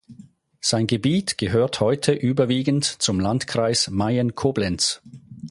Sein Gebiet gehört heute überwiegend zum Landkreis Mayen-Koblenz.